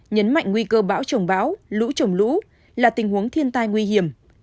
nhấn mạnh nguy cơ báo trồng báo lũ trồng lũ là tình huống thiên tai nguy hiểm